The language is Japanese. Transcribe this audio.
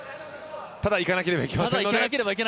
ただ、いかなければいけません。